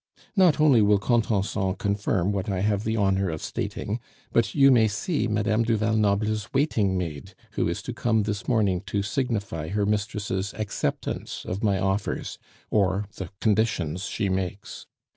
Not only will Contenson confirm what I have the honor of stating, but you may see Madame du Val Noble's waiting maid, who is to come this morning to signify her mistress' acceptance of my offers, or the conditions she makes.